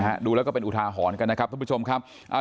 ดูแล้วก็เป็นอุทาหรณ์กันนะครับท่านผู้ชมครับอ่า